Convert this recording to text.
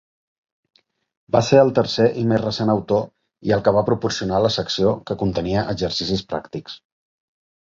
Va ser el tercer i més recent autor i el que va proporcionar la secció que contenia exercicis pràctics.